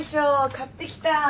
買ってきた。